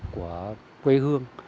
của quê hương